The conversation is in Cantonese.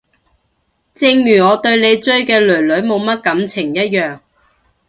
正如我對你追嘅囡囡冇乜感情一樣